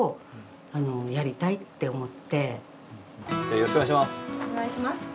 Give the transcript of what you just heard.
よろしくお願いします。